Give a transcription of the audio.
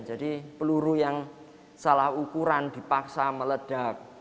jadi peluru yang salah ukuran dipaksa meledak